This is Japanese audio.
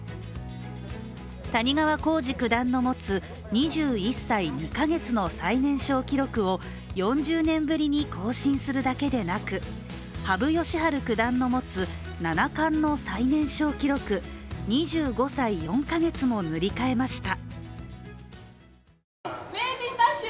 谷川浩司九段の持つ２１歳２か月の最年少記録を４０年ぶりに更新するだけでなく羽生善治九段の持つ七冠の最年少記録、２５歳４か月も塗り替えました。